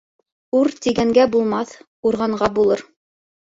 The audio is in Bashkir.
«Ур» тигәнгә булмаҫ, урғанға булыр.